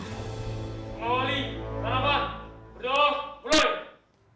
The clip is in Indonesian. semoga berjaya berdoa dan berjaya